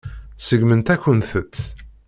Seggment-akent-tt.